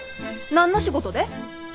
何の仕事で？